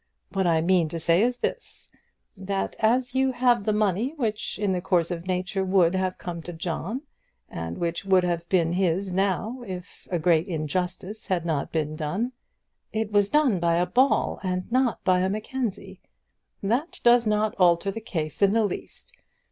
What I mean to say is this, that as you have the money which in the course of nature would have come to John, and which would have been his now if a great injustice had not been done " "It was done by a Ball, and not by a Mackenzie." "That does not alter the case in the least.